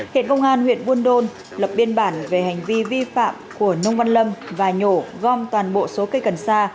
hiện công an huyện buôn đôn lập biên bản về hành vi vi phạm của nông văn lâm và nhổ gom toàn bộ số cây cần sa